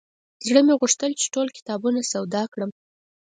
زړه مې غوښتل چې ټول کتابونه سودا کړم.